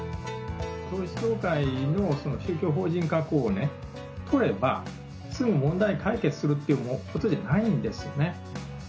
統一教会の宗教法人格を取れば、すぐ問題解決するってことじゃないんですね。